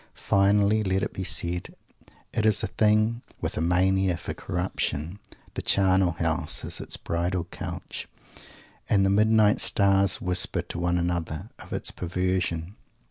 Finally, let it be said, it is a thing with a mania for Corruption. The Charnel House is its bridal couch, and the midnight stars whisper to one another of its perversion.